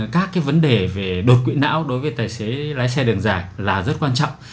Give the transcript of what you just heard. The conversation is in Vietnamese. các cái vấn đề về đột quỵ não đối với tài xế lái xe đường dài là rất quan trọng